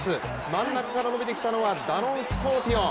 真ん中から伸びてきたのはダノンスコーピオン。